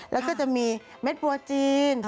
แล้วก็จะมีเม็ดพัวจีน